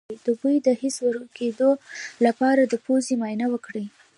د بوی د حس د ورکیدو لپاره د پوزې معاینه وکړئ